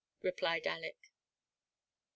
" replied Aleck.